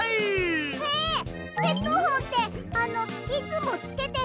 えっヘッドホンってあのいつもつけてる？